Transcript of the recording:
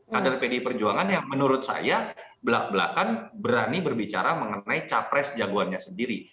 kader pdi perjuangan yang menurut saya belak belakan berani berbicara mengenai capres jagoannya sendiri